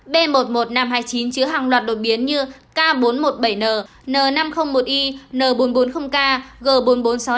b một một năm trăm hai mươi chín chứa hàng loạt đột biến như k bốn trăm một mươi bảy n n năm trăm linh một i n bốn trăm bốn mươi k g bốn trăm bốn mươi sáu s